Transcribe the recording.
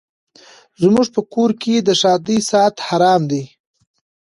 زموږ په کور کي د ښادۍ ساعت حرام دی